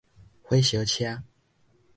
火燒車